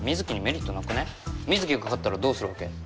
水城が勝ったらどうするわけ？